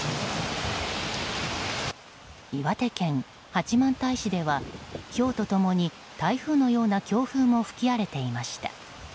岩手県八幡平市ではひょうと共に台風のような強風も吹き荒れていました。